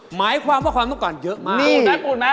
หมายความว่าความต้องการเยอะมาก